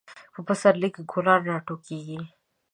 په پسرلی کې ګلان راټوکیږي.